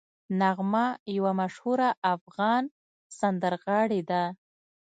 نغمه یوه مشهوره افغان سندرغاړې ده